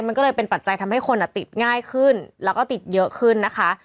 มันก็เลยเป็นปัจจัยทำให้คนติดง่ายขึ้นแล้วก็ติดเยอะขึ้นนะคะ